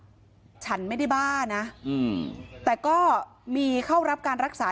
ฉันไม่ได้บ้านะแต่ก็มีเข้ารับการรักษา